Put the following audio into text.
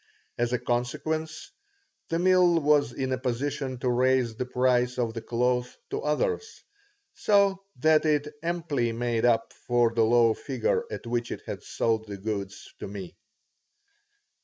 As a consequence, the mill was in a position to raise the price of the cloth to others, so that it amply made up for the low figure at which it had sold the goods to me.